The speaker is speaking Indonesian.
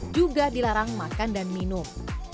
juga dilarang makan dan minum